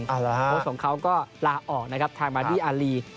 โค้ชของเขาก็ลาออกนะครับทางมาดี้อารี